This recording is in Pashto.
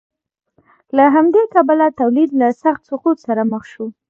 له همدې کبله تولید له سخت سقوط سره مخ شو